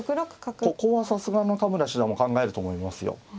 ここはさすがの田村七段も考えると思いますよ。